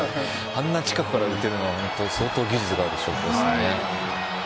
あんな近くから浮いてるのは相当、技術がある証拠ですね。